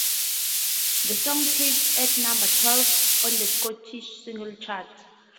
The song peaked at number twelve on the Scottish Singles Charts.